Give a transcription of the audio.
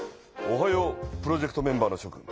おはようプロジェクトメンバーのしょ君。